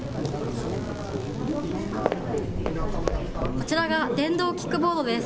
こちらが、電動キックボードです。